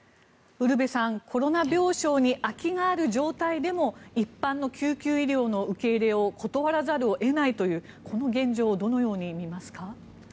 ウルヴェさんコロナ病床に空きがある状態でも一般の救急医療の受け入れを断らざるを得ないというこの現状をどのように見ますか。